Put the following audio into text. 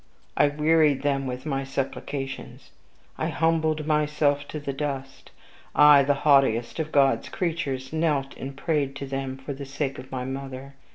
I wearied them with my supplications. I humbled myself to the dust; I, the haughtiest of God's creatures, knelt and prayed to them for the sake of my mother.